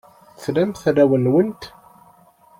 Tramt arraw-nwent?